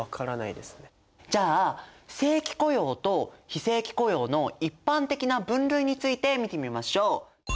じゃあ正規雇用と非正規雇用の一般的な分類について見てみましょう。